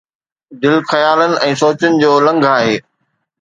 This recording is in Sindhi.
دل خيالن ۽ سوچن جو لنگهه آهي